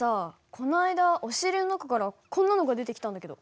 この間押し入れの中からこんなのが出てきたんだけど。